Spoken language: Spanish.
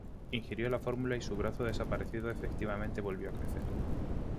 Ingirió la fórmula y su brazo desaparecido efectivamente volvió a crecer.